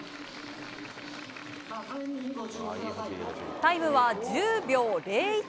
タイムは１０秒０１。